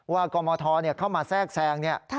ว่ากรมทรเข้ามาแทรกแทรงเนี่ย